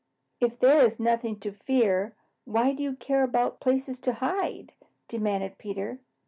"If there is nothing to fear, why do you care about places to hide?" demanded Peter.